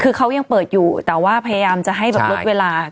คือเขายังเปิดอยู่แต่ว่าพยายามจะให้ลดเวลาการเปิดเพิ่มขึ้น